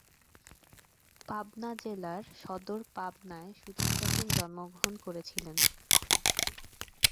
পাবনা জেলার সদর পাবনায় সুচিত্রা সেন জন্মগ্রহণ করেছিলেন।